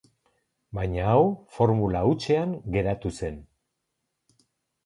Baina hau, formula hutsean geratu zen.